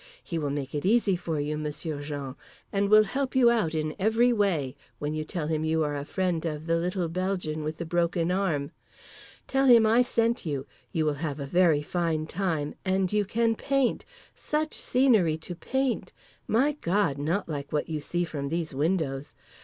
He will make it easy for you, M'sieu' Jean, and will help you out in every way, when you tell him you are a friend of the little Belgian with the broken arm. Tell him I sent you. You will have a very fine time, and you can paint: such scenery to paint! My God—not like what you see from these windows.